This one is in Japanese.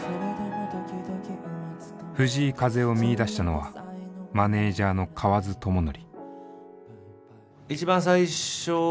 藤井風を見いだしたのはマネージャーの河津知典。